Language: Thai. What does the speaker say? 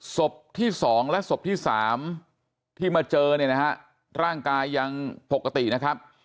ศพที่๒และศพที่๓ที่มาเจอเนี่ยนะฮะร่างกายยังปกตินะครับ